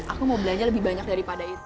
aku mau belanja lebih banyak daripada itu